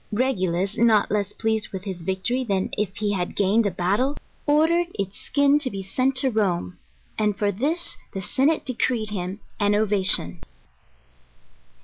Regulus, not less pleased with his victory than if he had gained a battle, ordered its skin to be sent to Rome, and for this the senate decreed him an ovation.